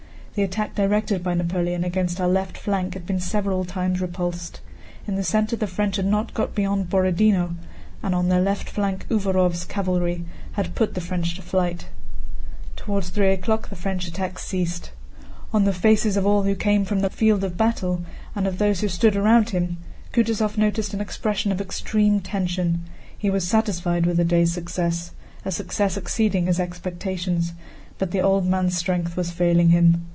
The attack directed by Napoleon against our left flank had been several times repulsed. In the center the French had not got beyond Borodinó, and on their left flank Uvárov's cavalry had put the French to flight. Toward three o'clock the French attacks ceased. On the faces of all who came from the field of battle, and of those who stood around him, Kutúzov noticed an expression of extreme tension. He was satisfied with the day's success—a success exceeding his expectations, but the old man's strength was failing him.